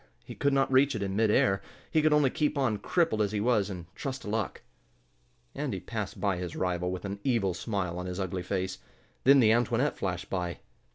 He could not reach it in mid air. He could only keep on, crippled as he was, and trust to luck. Andy passed by his rival with an evil smile on his ugly face. Then the Antoinette flashed by.